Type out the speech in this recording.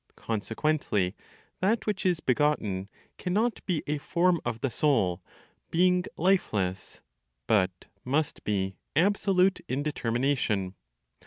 Consequently, that which is begotten cannot be a form of the Soul, being lifeless, but must be absolute in determination.